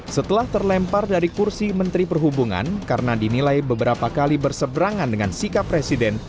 setelah terlempar dari kursi menteri perhubungan karena dinilai beberapa kali berseberangan dengan sikap presiden